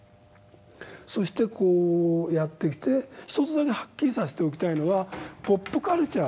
そしてこうやってきて一つだけはっきりさせておきたいのは「ポップカルチャー」